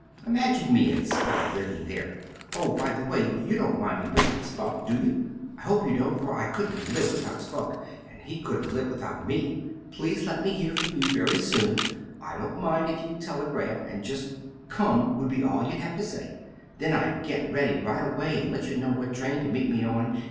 Imagine me and Spunk living there! Oh, by the way, you don't mind my bringing Spunk, do you? I hope you don't, for I couldn't live without Spunk, and he couldn't live with out me. "Please let me hear from you very soon. I don't mind if you telegraph; and just 'come' would be all you'd have to say. Then I'd get ready right away and let you know what train to meet me on.